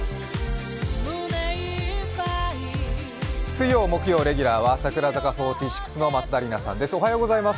水曜・木曜レギュラーは櫻坂４６の松田里奈さんです。